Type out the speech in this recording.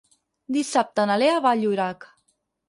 Dissabte na Lea va a Llorac.